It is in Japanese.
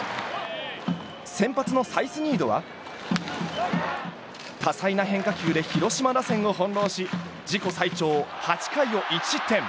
先発のサイスニードは多彩な変化球で広島打線を翻弄し自己最長８回を１失点。